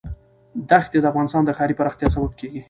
ښتې د افغانستان د ښاري پراختیا سبب کېږي.